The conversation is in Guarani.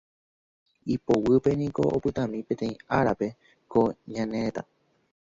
ipoguýpe niko opytami peteĩ árape ko ñane retã